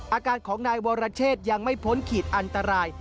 อาการของนายวรเชษยังไม่พ้นขีดอันตราย